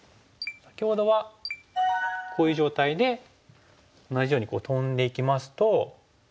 先ほどはこういう状態で同じようにトンでいきますと